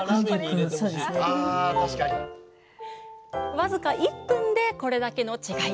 僅か１分でこれだけの違い。